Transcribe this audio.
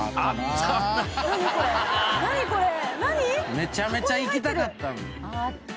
めちゃめちゃ行きたかった。